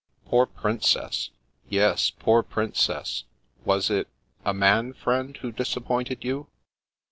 " Poor Princess." " Yes, poor Princess. Was it — a man friend who disappointed you